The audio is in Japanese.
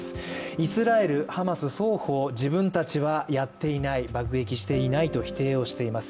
イスラエル、ハマス双方、自分たちはやっていない、爆撃していないと否定をしています。